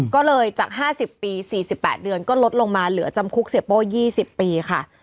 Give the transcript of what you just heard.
ก็เลยจาก๕๐ปี๔๘เดือนก็ลดลงมาเหลือจำคุกเสียโป้๒๐ปีค่ะ